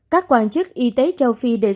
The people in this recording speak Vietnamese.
các quan chức y tế châu phi